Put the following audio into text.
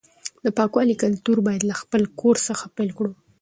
د پاکوالي کلتور باید له خپل کور څخه پیل کړو.